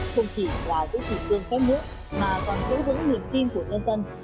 không chỉ là giữ thủ tướng phép mũ mà còn giữ vững niềm tin của nhân dân